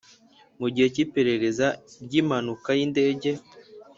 Mu gihe cy iperereza ry impanuka y indege